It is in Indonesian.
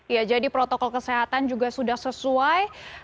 ya jadi protokol kesehatan juga sudah sesuai